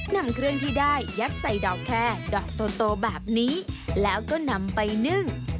นำเครื่องที่ได้ยัดใส่ดอกแคร์ดอกโตแบบนี้แล้วก็นำไปนึ่ง